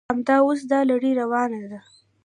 همدا اوس دا لړۍ روانه ده.